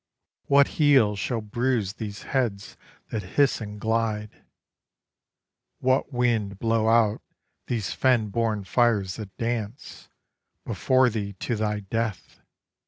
What heel shall bruise these heads that hiss and glide, What wind blow out these fen born fires that dance Before thee to thy death?